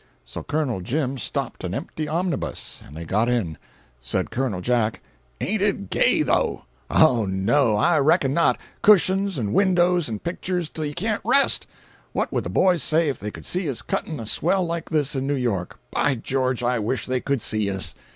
So Col. Jim stopped an empty omnibus, and they got in. Said Col. Jack: "Ain't it gay, though? Oh, no, I reckon not! Cushions, and windows, and pictures, till you can't rest. What would the boys say if they could see us cutting a swell like this in New York? By George, I wish they could see us."